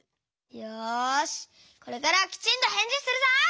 よしこれからはきちんとへんじするぞ！